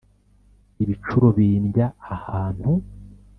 ibicuro bindya ahantu